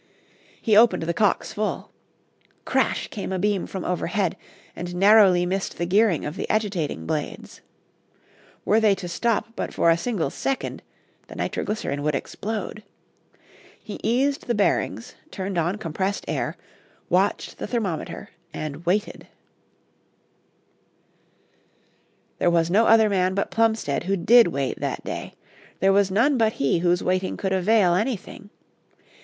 He opened the cocks full. Crash! came a beam from overhead, and narrowly missed the gearing of the agitating blades. Were they to stop but for a single second, the nitroglycerin would explode. He eased the bearings, turned on compressed air, watched the thermometer and waited. [Illustration: "HE KNEW THAT A SECOND EXPLOSION MIGHT COME AT ANY MOMENT."] There was no other man but Plumstead who did wait that day; there was none but he whose waiting could avail anything.